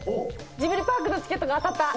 ジブリパークのチケットが当たった。